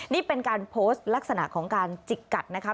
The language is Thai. นี่เป็นการโพสต์ลักษณะของการจิกกัดนะคะ